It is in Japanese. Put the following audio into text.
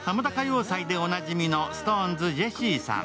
「ハマダ歌謡祭」でおなじみのＳｉｘＴＯＮＥＳジェシーさん。